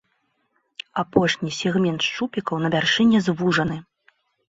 Апошні сегмент шчупікаў на вяршыні звужаны.